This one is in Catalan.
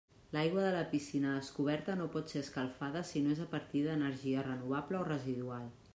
L'aigua de la piscina descoberta no pot ser escalfada si no és a partir d'energia renovable o residual.